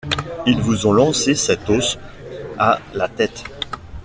Ils vous ont lancé cet os à la tête.